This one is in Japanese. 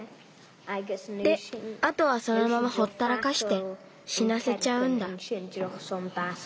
であとはそのままほったらかしてしなせちゃうんだ。